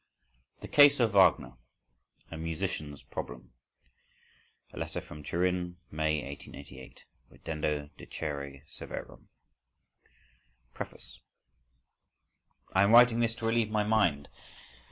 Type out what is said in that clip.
THE CASE OF WAGNER: A MUSICIAN'S PROBLEM A LETTER FROM TURIN, MAY 1888 "RIDENDO DICERE SEVERUM.…" Preface I am writing this to relieve my mind.